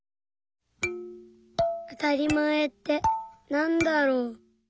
「あたりまえってなんだろう」。